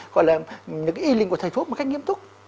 gọi là những cái y linh của thầy thuốc một cách nghiêm túc